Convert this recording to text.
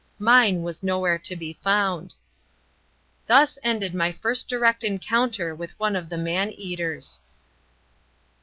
Mine was nowhere to be found. Thus ended my first direct encounter with one of the man eaters.